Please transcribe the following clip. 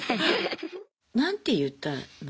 何て言ったの？